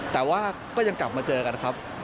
แต่ว่าก็ยังกลับมาเจอกันนะครับ